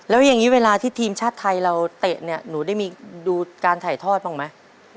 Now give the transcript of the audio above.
แล้วอย่างนี้เวลาที่ทีมชาติไทยเราเตะเนี่ยหนูได้มีดูการถ่ายทอดบ้างไหม